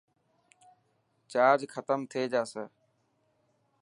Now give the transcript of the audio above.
چارج ختم ٿي جاسي.